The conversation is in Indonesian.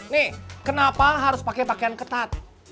nih kenapa harus pakai pakaian ketat